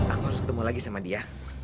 aku harus ketemu lagi sama dia